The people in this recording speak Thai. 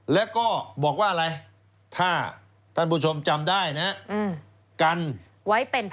แล้วก็บอกว่าอะไรถ้าท่านผู้ชมจำได้นะฮะ